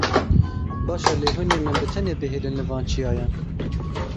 Baş e lê hûn ê min bi tenê bihêlin li van çiyayan?